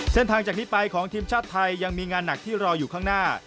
จากนี้ไปของทีมชาติไทยยังมีงานหนักที่รออยู่ข้างหน้า